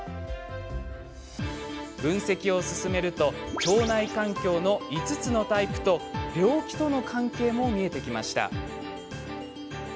分析を進めると腸内環境の５つのタイプと病気との関係も見えてきました。